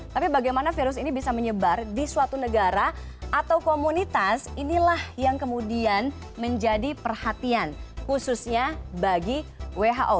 tapi bagaimana virus ini bisa menyebar di suatu negara atau komunitas inilah yang kemudian menjadi perhatian khususnya bagi who